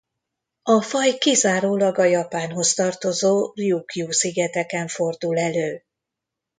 A faj kizárólag a Japánhoz tartozó Rjúkjú-szigeteken fordul elő.